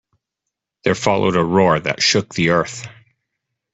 There followed a roar that shook the earth.